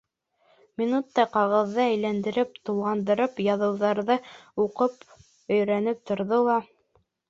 Минуттай ҡағыҙҙы әйләндереп-тулғандырып, яҙыуҙарҙы уҡып-өйрәнеп торҙо ла: